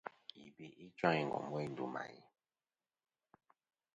Yi be'i ɨchwaŋ i ngom weyn ndu mà'i.